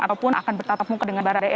ataupun akan bertatap muka dengan baradae